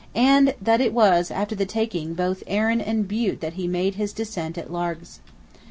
and that it was after taking both Arran and Bute that he made his descent at Largs.